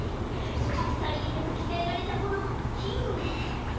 そしてさりげなくきたえられたこのふっきん。